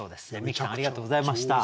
みきさんありがとうございました。